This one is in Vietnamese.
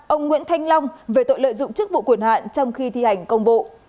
ông nguyễn thanh long về tội lợi dụng chức vụ quyền hạn trong khi thi hành công vụ